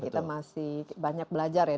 kita masih banyak belajar ya